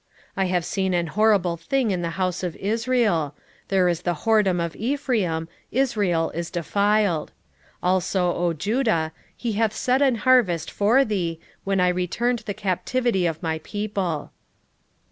6:10 I have seen an horrible thing in the house of Israel: there is the whoredom of Ephraim, Israel is defiled. 6:11 Also, O Judah, he hath set an harvest for thee, when I returned the captivity of my people.